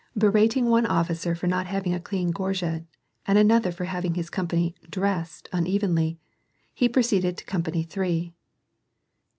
Berating one officer for not having a clean gorget, and another for having his com pany "dressed" unevenly, he proceeded to company three.